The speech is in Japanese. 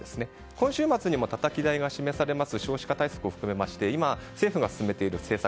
今週末にもたたき台が示される少子化対策について今、政府が進めている政策